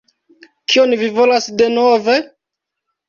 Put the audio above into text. Kion vi volas denove?